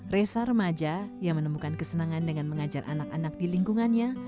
resa remaja yang menemukan kesenangan dengan mengajar anak anak di lingkungannya